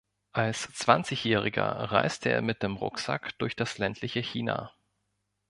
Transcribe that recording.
Als Zwanzigjähriger reiste er mit dem Rucksack durch das ländliche China.